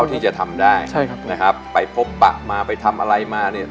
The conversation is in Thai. ที่จะทำได้ใช่ครับนะครับไปพบปะมาไปทำอะไรมาเนี่ย